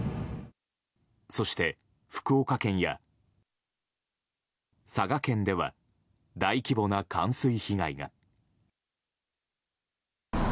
そして福岡県や佐賀県では大規模な冠水被害が。